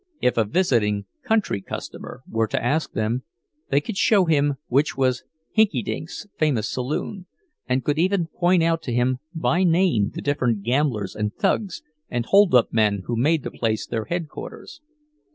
If a visiting "country customer" were to ask them, they could show him which was "Hinkydink's" famous saloon, and could even point out to him by name the different gamblers and thugs and "hold up men" who made the place their headquarters.